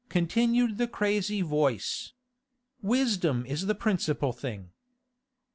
continued the crazy voice. 'Wisdom is the principal thing.